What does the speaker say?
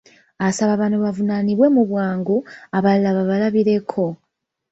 Asaba bano bavunaanibwe mu bwangu, abalala babalabireko.